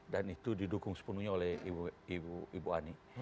dan itu didukung sepenuhnya oleh ibu ani